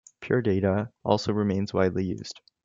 Pure Data also remains widely used.